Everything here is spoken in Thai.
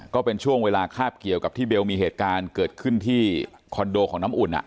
ก็เป็นช่วงเวลาคาบเกี่ยวกับที่เบลมีเหตุการณ์เกิดขึ้นที่คอนโดของน้ำอุ่น